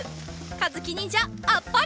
かずきにんじゃあっぱれ！